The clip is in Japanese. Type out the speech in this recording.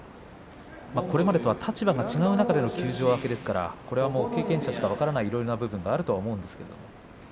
これまでとは立場は違う中での休場明けですからこれは経験者でしか分からないところがあると思うんですが。